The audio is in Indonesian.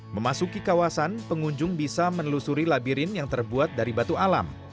memasuki kawasan pengunjung bisa menelusuri labirin yang terbuat dari batu alam